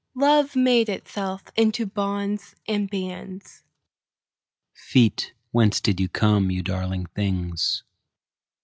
Love made itself into bonds and bands. Feet, whence did you come, you darling things?